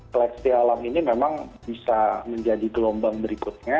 seleksi alam ini memang bisa menjadi gelombang berikutnya